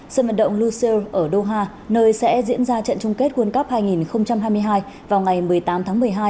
sân vận động luxe ở doha nơi sẽ diễn ra trận chung kết world cup hai nghìn hai mươi hai vào ngày một mươi tám tháng một mươi hai